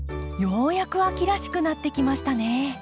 ようやく秋らしくなってきましたね。